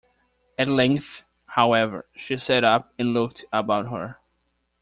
At length, however, she sat up and looked about her.